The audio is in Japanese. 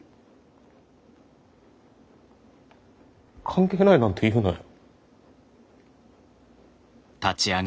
関係ないなんて言うなよ。